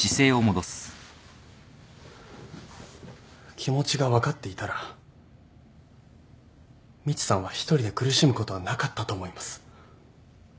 気持ちが分かっていたらみちさんは一人で苦しむことはなかったと思います。